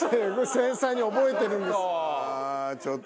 繊細に覚えてるんですよ。